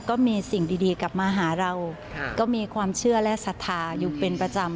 ก็มีสิ่งดีกลับมาหาเราก็มีความเชื่อและศรัทธาอยู่เป็นประจำ